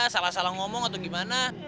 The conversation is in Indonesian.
salah salah ngomong atau gimana